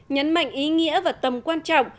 nhấn mạnh ý nghĩa và tầm quan trọng